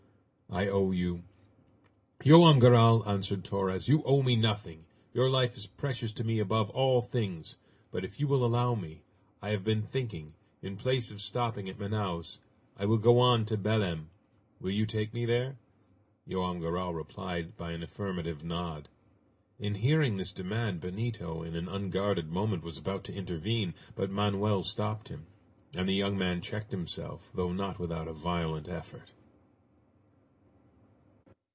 I owe you " "Joam Garral!" answered Torres, "you owe me nothing! Your life is precious to me above all things! But if you will allow me I have been thinking in place of stopping at Manaos, I will go on to Belem. Will you take me there?" Joam Garral replied by an affirmative nod. In hearing this demand Benito in an unguarded moment was about to intervene, but Manoel stopped him, and the young man checked himself, though not without a violent effort.